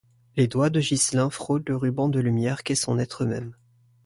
Les doigts de Ghislain frôlent le ruban de lumière qu’est son être même.